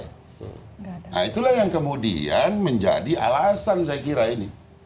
nah itulah yang kemudian menjadi alasan saya kira ini